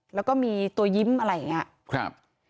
แล้วก็มีตัวยิ้มอะไรอย่างนี้ครับ